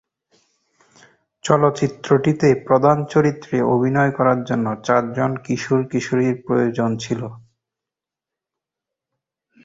চলচ্চিত্রটিতে প্রধান চরিত্রে অভিনয় করার জন্য চারজন কিশোর-কিশোরীর প্রয়োজন ছিল।